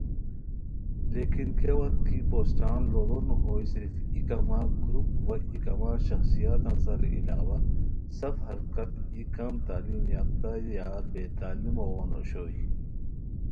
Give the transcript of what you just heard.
لیکن کیہ وت کی پوسٹان لُوڑونو ہوئے صرف ای کما گروپ وا ای کما شخصیتان سار علاوہ سفان حرکت ای کم تعلیم یافتہ یا بے تعلیمو غون اوشوئے